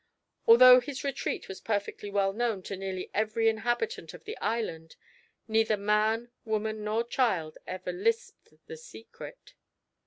Although his retreat was perfectly well known to nearly every inhabitant of the island, neither man, woman nor child ever lisped the secret.